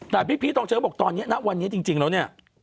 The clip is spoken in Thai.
แต่พี่พีชต้องเชื่อว่าบอกตอนนี้ณวันนี้จริงแล้วนี่